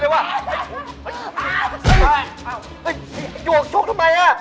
เนี่ยไอ้ยวกชุกทำไมอะ